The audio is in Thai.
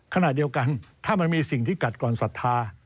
ขณะเดียวกันถ้ามันมีสิ่งที่กัดก่อนศรัทธา